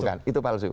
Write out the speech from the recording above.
bukan itu palsu